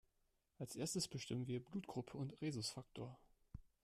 Als Erstes bestimmen wir Blutgruppe und Rhesusfaktor.